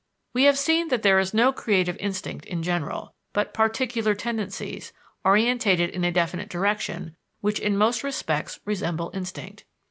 We have seen that there is no creative instinct in general, but particular tendencies, orientated in a definite direction, which in most respects resemble instinct.